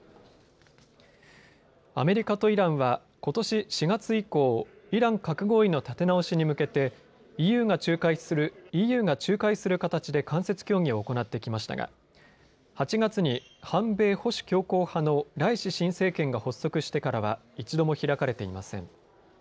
アメリカとイランは、ことし４月以降、イラン核合意の立て直しに向けてＥＵが仲介する形で間接協議を行ってきましたが８月に反米・保守強硬派のライシ新政権が発足してからは一度も開かれていません。